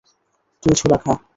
তুই ছোলা খা।